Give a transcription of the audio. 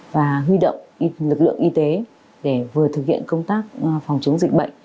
và huy động lực lượng y tế để vừa thực hiện công tác phòng chống dịch bệnh